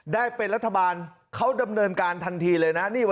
ได้เป็นรัฐบาลเขาดำเนินการทันทีเลยนะ